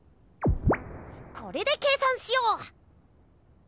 これで計算しよう！